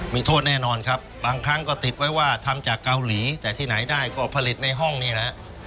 มีโทษแน่นอนครับบางครั้งก็ติดไว้ว่าทำจากเกาหลีแต่ที่ไหนได้ก็ผลิตในห้องนี่แหละ